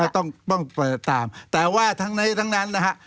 ต้องตามแต่ว่าทั้งนั้นนะฮะ